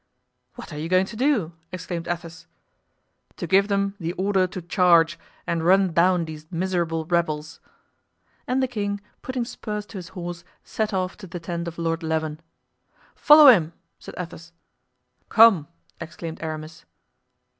"What are you going to do?" exclaimed Athos. "To give them the order to charge, and run down these miserable rebels." And the king, putting spurs to his horse, set off to the tent of Lord Leven. "Follow him," said Athos. "Come!" exclaimed Aramis.